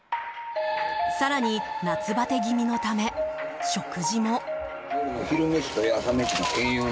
更に、夏バテ気味のため食事も。